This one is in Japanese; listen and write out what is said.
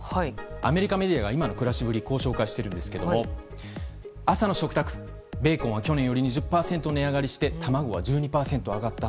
アメリカメディアが今の暮らしぶりをこう紹介しているんですが朝の食卓、ベーコンは去年より２０％値上がりして卵は１２％上がった。